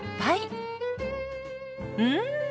うん！